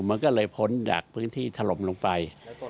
มันก็เลยพ้นจากพื้นที่ถล่มลงไป